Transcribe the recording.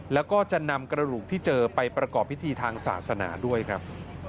แล้วก็จะนำกระดูกที่เจอไปประกอบพิธีทางศาสนาด้วยครับ